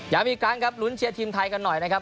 อยากมีเวลาการกับลุ้นเชียร์ทีมไทยกันหน่อยนะครับ